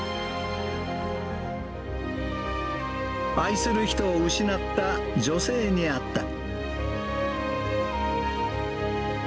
愛する人を失った女性に会った。